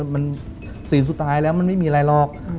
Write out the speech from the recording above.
มันสิ่งสุดท้ายแล้วมันไม่มีอะไรหรอก